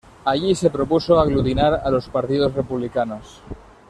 Allí se propuso aglutinar a los partidos republicanos.